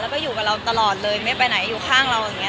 แล้วก็อยู่กับเราตลอดเลยไม่ไปไหนอยู่ข้างเราอย่างนี้